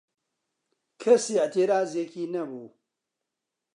کەس ئێعترازێکی نەبوو